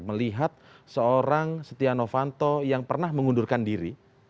melihat seorang stianofanto yang pernah mengundurkan diri